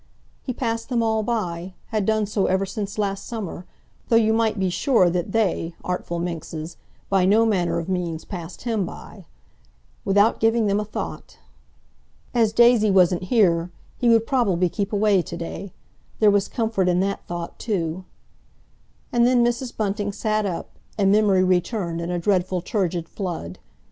He passed them all by, had done so ever since last summer, though you might be sure that they, artful minxes, by no manner of means passed him by,—without giving them a thought! As Daisy wasn't here, he would probably keep away to day. There was comfort in that thought, too. And then Mrs. Bunting sat up, and memory returned in a dreadful turgid flood.